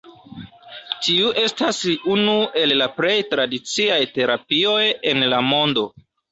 Tiu estas unu el la plej tradiciaj terapioj en la mondo.